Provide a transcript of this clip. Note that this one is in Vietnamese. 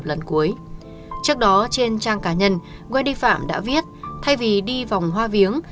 trước đó trên trang cá nhân wendy phạm đã viết thay vì đi vòng hoa viếng